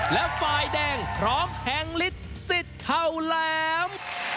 และฝ่ายแดงพร้อมแทงฤทธิ์สิทธิ์เข่าแหลม